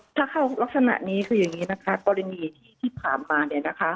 ถ้าเข้ารักษณะนี้คืออย่างนี้นะคะกรณีที่ผ่านมาเนี่ยนะคะ